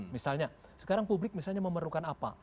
misalnya sekarang publik misalnya memerlukan apa